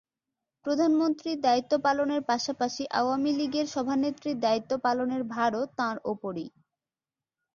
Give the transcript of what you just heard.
প্রধানমন্ত্রীর দায়িত্ব পালনের পাশাপাশি আওয়ামী লীগের সভানেত্রীর দায়িত্ব পালনের ভারও তাঁর ওপরই।